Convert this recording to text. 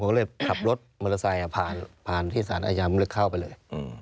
ผมก็เลยขับรถมอเทศายศ์ผ่านที่ศาสตร์อายามหลักเข้าไปเลย